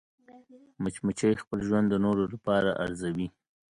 مچمچۍ خپل ژوند د نورو لپاره ارزوي